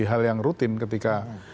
hal yang rutin ketika